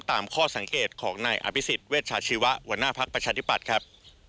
ข้อสังเกตของนายอภิษฎเวชชาชีวะหัวหน้าภักดิ์ประชาธิปัตย์ครับ